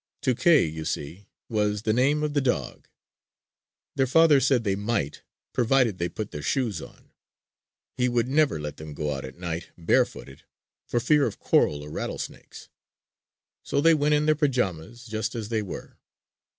Tuké, you see, was the name of the dog! Their father said they might, provided they put their shoes on. He would never let them go out at night, barefooted, for fear of coral or rattlesnakes. So they went in their pajamas, just as they were.